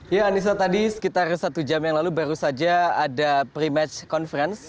ya anissa tadi sekitar satu jam yang lalu baru saja ada pre match conference